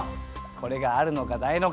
これがあるのかないのか！